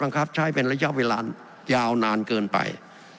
ครับใช้เป็นระยะเวลายาวนานเกินไป